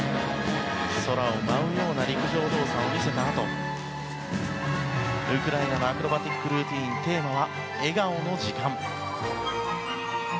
空を舞うような陸上動作を見せたあとウクライナのアクロバティックルーティンテーマは笑顔の時間。